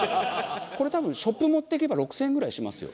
これ多分ショップ持っていけば６０００円ぐらいしますよ。